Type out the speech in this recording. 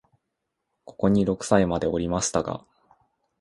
ここに六歳までおりましたが、